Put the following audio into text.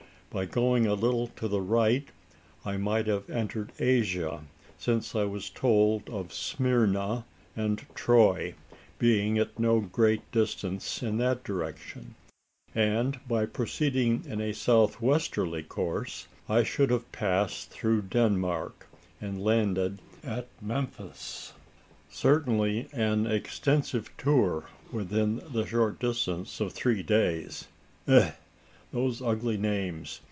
By going a little to the right, I might have entered Asia: since I was told of Smyrna and Troy being at no great distance in that direction; and by proceeding in a south westerly course, I should have passed through Denmark, and landed at Memphis certainly an extensive tour within the short space of three days! Ugh! those ugly names!